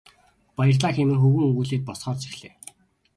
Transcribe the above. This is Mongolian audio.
Баярлалаа хэмээн хөвгүүн өгүүлээд босохоор зэхлээ.